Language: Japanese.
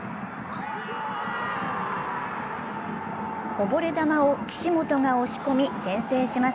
こぼれ球を岸本が押し込み、先制します。